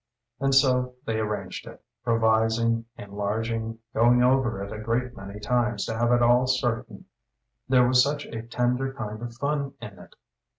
'" And so they arranged it, revising, enlarging, going over it a great many times to have it all certain there was such a tender kind of fun in it.